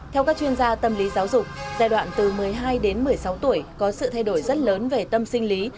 theo các chuyên gia tâm lý giáo dục giai đoạn từ một mươi hai đến một mươi sáu tuổi có sự thay đổi rất lớn về tâm sinh lý